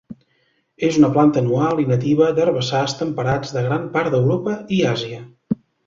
És una planta anual i nativa d'herbassars temperats de gran part d'Europa i Àsia.